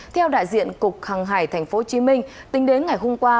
theo đại diện cục hàng hải tp hcm tính đến ngày hôm qua